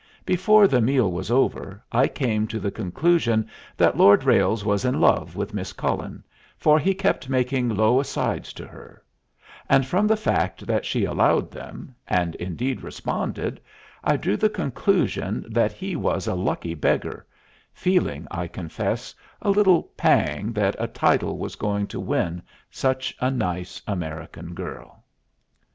Before the meal was over I came to the conclusion that Lord Ralles was in love with Miss Cullen, for he kept making low asides to her; and from the fact that she allowed them, and indeed responded, I drew the conclusion that he was a lucky beggar, feeling, I confess, a little pang that a title was going to win such a nice American girl.